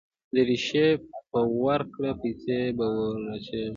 د درېشۍ په وکړه پسې به ورسېږم.